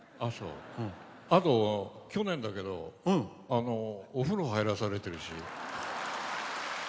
あと、去年だけどお風呂、入らされてるし。